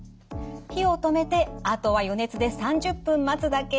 火を止めてあとは余熱で３０分待つだけ。